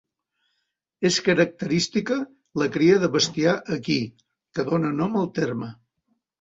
És característica la cria de bestiar equí, que dóna nom al terme.